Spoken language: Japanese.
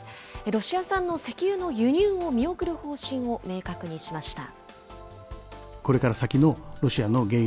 ロシア産の石油の輸入を見送る方針を明確にしました。